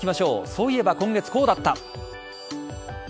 そういえば今月こうだった。